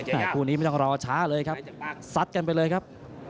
คู่นี้ไม่ต้องรอช้าเลยครับซัดกันไปเลยครับ